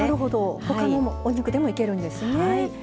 ほかのお肉でもいけるんですね。